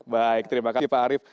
baik terima kasih pak arief